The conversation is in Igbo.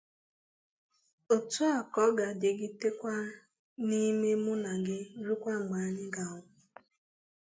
o tua ka ọ ga-adịgidekwe n’ime mụ na gị rukwa mgbe anyị ga anwụ!